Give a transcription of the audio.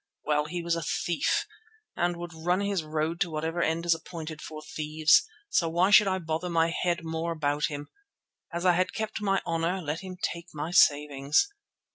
Well, he was a thief and would run his road to whatever end is appointed for thieves, so why should I bother my head more about him? As I had kept my honour—let him take my savings.